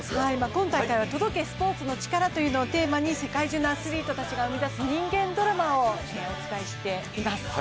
今大会は「届け、スポーツのチカラ」というのをテーマに世界中のアスリートたちが生み出す人間ドラマをお伝えしています。